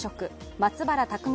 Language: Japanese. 松原拓海